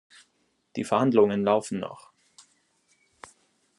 Die Verhandlungen laufen noch.